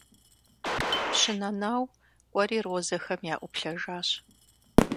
Пщы Нэнау кӀуэри розэхэм яӀуплъэжащ.